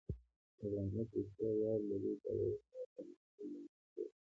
که افغانیت رښتیا ویاړ لري، باید هغه ته عملي ګامونه پورته کړو.